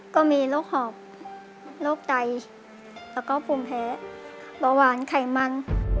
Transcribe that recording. ก็มีโรคหอบโรคไตแล้วก็ภูมิแพ้เบาหวานไขมัน